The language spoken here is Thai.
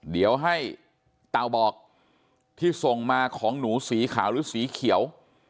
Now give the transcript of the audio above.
เดี๋ยวให้เต่าบอกที่ส่งมาของหนูสีขาวหรือสีเขียว